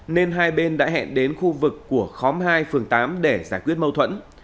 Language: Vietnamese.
nên hai bên đã hẹn đến khu vực của khóm hai phường tám để giải quyết mâu thuẫn